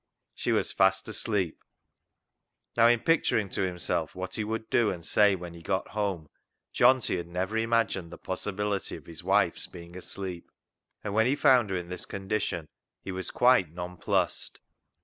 She was fast asleep. Now, in picturing to himself what he would do and say when he got home, Johnty had never imagined the possibility of his wife's being asleep, and when he found her in this condition he was quite nonplussed.